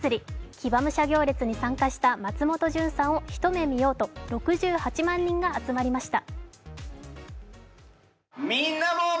騎馬武者行列に参加した松本潤さんを一目見ようと６８万人が集まりました。